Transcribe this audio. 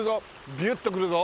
ビュッとくるぞ。